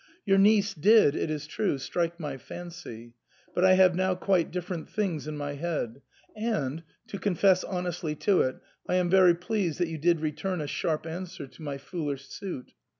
" Your niece did, it is true, strike my fancy ; but I have now quite different things in my head, and — to confess honestly to it — I am very pleased that you did return a sharp answer to my foolish suit.